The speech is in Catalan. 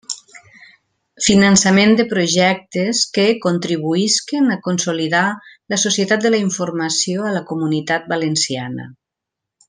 Finançament de projectes que contribuïsquen a consolidar la Societat de la Informació a la Comunitat Valenciana.